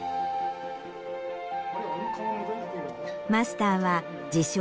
マスターは自称